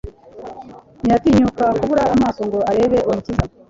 Ntiyatinyuka kubura amaso ngo arebe Umukiza,